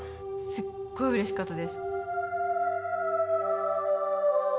すっごいうれしかったです。